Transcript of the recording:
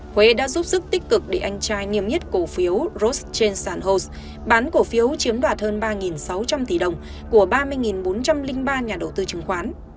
huế đã giúp sức tích cực để anh trai nghiêm nhiết cổ phiếu rose change san jose bán cổ phiếu chiếm đoạt hơn ba sáu trăm linh tỷ đồng của ba mươi bốn trăm linh ba nhà đầu tư chứng khoán